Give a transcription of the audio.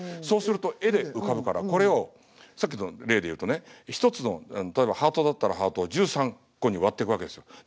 そうすると絵で浮かぶからこれをさっきの例で言うとね１つの例えばハートだったらハートを１３個に割ってくわけですよ。